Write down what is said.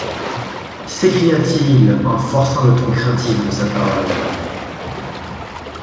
S'écria-t-il en forçant le ton craintif de sa parole.